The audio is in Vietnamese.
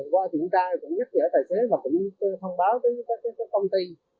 qua thị trang cũng nhắc nhở tài xế và cũng thông báo tới các công ty